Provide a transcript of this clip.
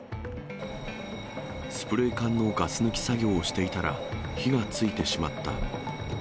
スプレー缶のガス抜き作業をしていたら、火がついてしまった。